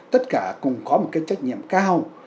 tất cả cùng có một trách nhiệm cao